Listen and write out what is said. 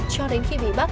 cho đến khi bị bắt